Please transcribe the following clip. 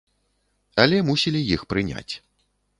Але мусілі іх прыняць.